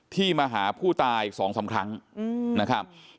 ที่มาหาผู้ตายอีกสองซ้ำครั้งนะครับ